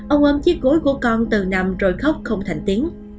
ông ôm chiếc gối của con từ nằm rồi khóc không thành tiếng